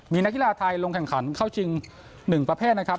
มีนักกีฬาไทยลงแข่งขันเข้าชิง๑ประเภทนะครับ